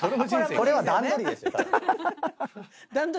これは段取りですよただ。